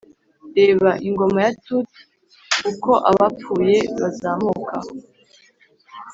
'reba,' ingoma ya taut, 'uko abapfuye bazamuka: